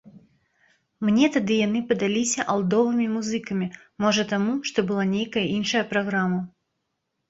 Мне тады яны падаліся алдовымі музыкамі, можа таму, што была нейкая іншая праграма.